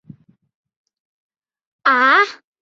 施工初期曾因接头漏风发生过有害气体中毒事故。